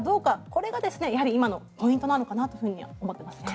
これがやはり今のポイントなのかなと思っていますね。